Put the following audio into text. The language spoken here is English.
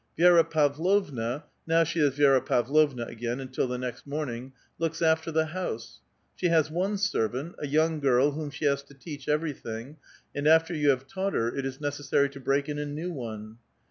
Vi^ra Pavlovna — now she is Viera Pavlovna again, until the next morning — looks after the house ; she has one servant, a young girl whom she has to teach evei*ything, and after you have taught her, it is necessary to break in a new one.